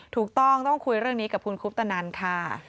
ถูกต้องต้องคุยเรื่องนี้กับคุณคุปตนันค่ะ